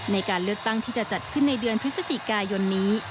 ในการเลือกตั้งที่จะจัดขึ้นในเดือนพฤศจิกายนนี้